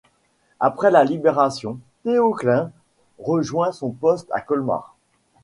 Après la Libération, Théo Klein rejoint son poste à Colmar.